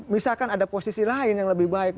misalkan ada posisi lain yang lebih baik